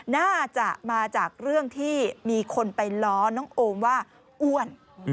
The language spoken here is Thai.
น่าจะมาจากเรื่องที่มีคนไปล้อน้องโอมว่าอ้วน